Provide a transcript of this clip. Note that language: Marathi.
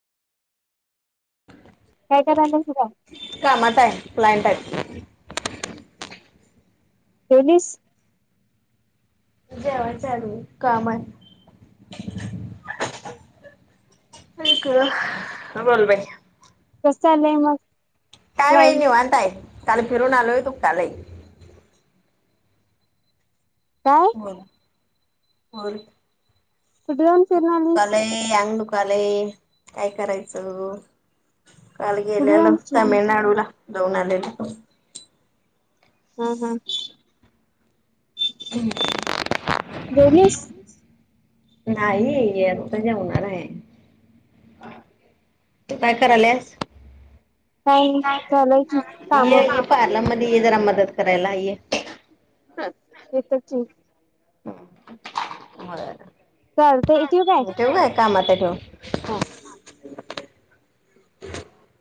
[unintelligible] काय करायलेस [unintelligible] ग? कामातय आक्लायंट आहेत जेवलीस? जेवायचंय अजून कामय आईंग बोल बाई कसं आलंय मग- काय बाई लाईफ? निवांताय हाय काल फिरून आलोय [unintelligible] काय? बोल [unintelligible] कुठे जाऊन फिरून डोकं आलीस? दुखालय. आंग दुखालय काय करायचं? काल कुठे गेल्यालो जाऊन फिरून? तामिळनाडूला जाऊन आलेलो. हं हं हं [inaudible] जेवलीस? नाही आत्ता जेवणार आहे. [inaudible] काय कराल्यास? काय नाही. चालू आहे की ये कामं. ये पार्लर मध्ये ये जरा मदत करायला ये हं येतो कि बर ठेवू काय कामाताय ठे हा.